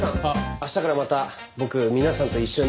明日からまた僕皆さんと一緒に。